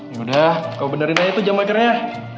yaudah kamu benerin aja tuh jam akhirnya